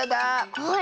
ほら。